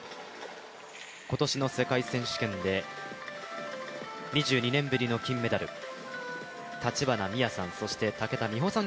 今年の世界選手権で２２年ぶりの金メダル、立花美哉さん、武田美保さん